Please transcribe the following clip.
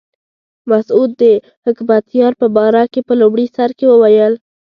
مسعود د حکمتیار په باره کې په لومړي سر کې وویل.